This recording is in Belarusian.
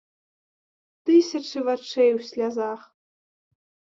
Тысячы вачэй у слязах.